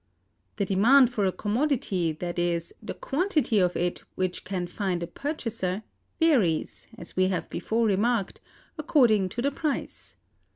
"The demand for a commodity, that is, the quantity of it which can find a purchaser, varies, as we have before remarked, according to the price.